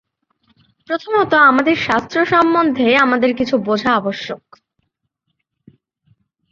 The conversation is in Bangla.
প্রথমত আমাদের শাস্ত্র সম্বন্ধেই আমাদের কিছু বুঝা আবশ্যক।